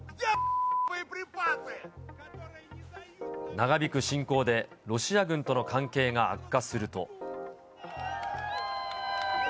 長引く侵攻で、ロシア軍との関係が悪化すると。